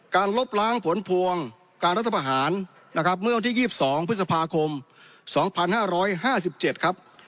การลบล้างผลพวงการรัฐบาหารนะครับเมื่อวันที่ยี่สิบสองพฤษภาคมสองพันห้าร้อยห้าสิบเจ็ดครับ